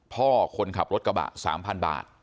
คนขับรถกระบะ๓๐๐บาท